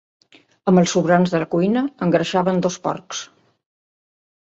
Amb els sobrants de la cuina engreixaven dos porcs.